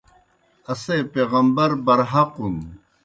اسے پیغمبر برحقُن۔